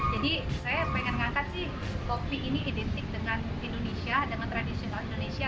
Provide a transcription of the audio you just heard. jadi saya pengen ngatakan sih kopi ini identik dengan indonesia dengan tradisional indonesia